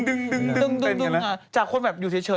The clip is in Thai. ดึงจากคนอยู่เฉย